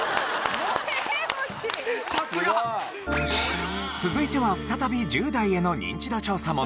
さすが！続いては再び１０代へのニンチド調査問題。